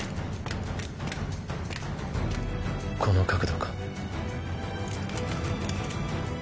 この角度か。